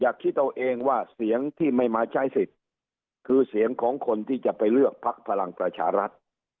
คิดเอาเองว่าเสียงที่ไม่มาใช้สิทธิ์คือเสียงของคนที่จะไปเลือกพักพลังประชารัฐ